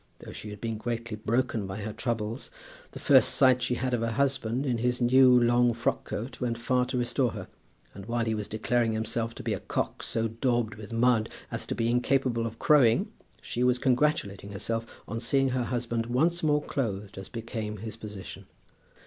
Though she had been greatly broken by her troubles, the first sight she had of her husband in his new long frock coat went far to restore her, and while he was declaring himself to be a cock so daubed with mud as to be incapable of crowing, she was congratulating herself on seeing her husband once more clothed as became his position.